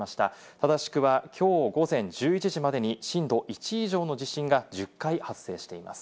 正しくはきょう午前１１時までに、震度１以上の地震が１０回発生しています。